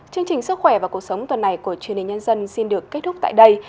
chương trình sức khỏe và cuộc sống tuần này của truyền hình nhân dân xin được kết thúc tại đây